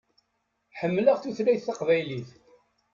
Ḥemmleɣ tutlayt taqbaylit.